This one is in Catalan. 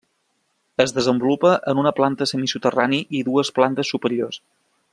Es desenvolupa en una planta semisoterrani i dues plantes superiors.